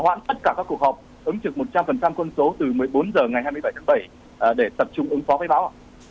hoãn tất cả các cuộc họp ứng trực một trăm linh quân số từ một mươi bốn h ngày hai mươi bảy tháng bảy để tập trung ứng phó với bão